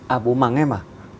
à bố mắng em à